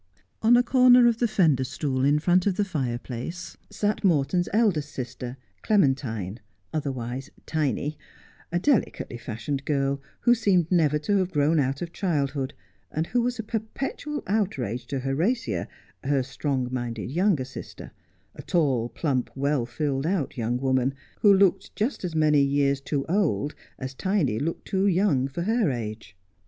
On a corner of the fender stood in front of the fireplace sat Morton's eldest sister, Clementine, otherwise Tiny, a, delicately fashioned girl, who seemed never to have grown out of childhood, and who was a perpetual outrage to Horatia — her strong minded younger sister— a tall, plump, well filled out young woman, who looked just as many years too old as Tiny looked too young for her age.